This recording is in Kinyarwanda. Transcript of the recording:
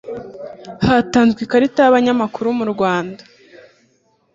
hatanzwe ikarita y abanyamakuru mu rwanda